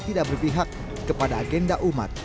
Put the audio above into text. tapi juga membuatnya lebih berpihak kepada agenda umat